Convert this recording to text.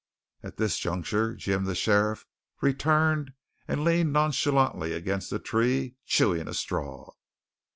At this juncture Jim, the sheriff, returned and leaned nonchalantly against a tree, chewing a straw.